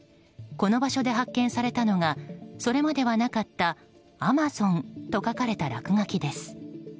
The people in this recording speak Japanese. この場所で発見されたのがそれまではなかった「Ａｍａｚｏｎ」と書かれた落書きです。